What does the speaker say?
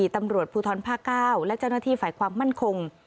ตำรวจภูทรภาค๙และเจ้าหน้าที่ฝ่ายความมั่นคง